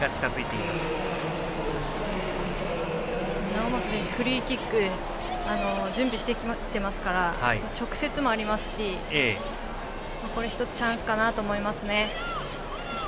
猶本選手、フリーキック準備してきていますから直接もありますし１つ、チャンスかなと思います。